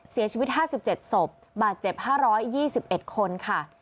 เสียชีวิต๕๗ศพบาดเจ็บ๕๒๑คนค่ะ